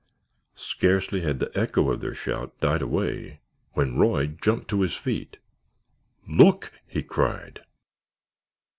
Scarcely had the echo of their shout died away when Roy jumped to his feet. "Look!" he cried.